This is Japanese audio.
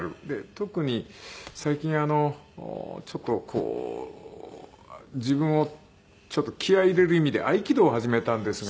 特に最近ちょっと自分を気合入れる意味で合気道を始めたんですが。